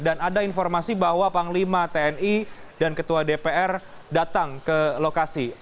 dan ada informasi bahwa panglima tni dan ketua dpr datang ke lokasi